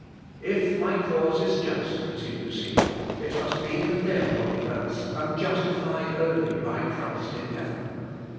"If my cause is just," continues he, "it must be condemned on the earth, and justified only by Christ in heaven.